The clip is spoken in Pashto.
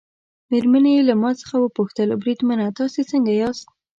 مېرمنې یې له ما څخه وپوښتل: بریدمنه تاسي څنګه یاست؟